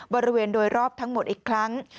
บริเวณโดยรอบทั้งหมดอีกครั้ง